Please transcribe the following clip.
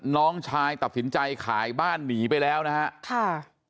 น้องชายตัดสินใจขายบ้านหนีไปแล้วนะฮะค่ะ